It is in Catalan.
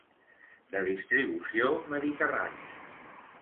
De distribució mediterrània.